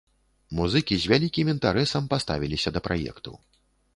Музыкі з вялікім інтарэсам паставіліся да праекту.